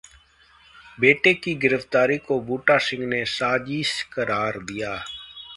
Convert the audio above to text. बेटे की गिरफ्तारी को बूटा सिंह ने साजिश करार दिया